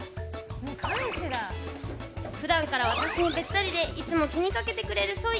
普段から私にべったりでいつも気にかけてくれるソイ。